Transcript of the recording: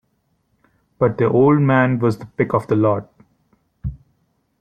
But the old man was the pick of the lot.